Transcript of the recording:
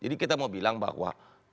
jadi kita mau bilang bahwa